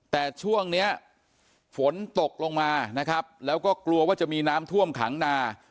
แต่ช่วงเนี้ยฝนตกลงมานะครับแล้วก็กลัวว่าจะมีน้ำท่วมขังนา